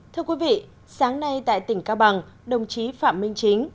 thưa quý vị sáng nay tại tỉnh cao bằng đồng chí phạm minh chính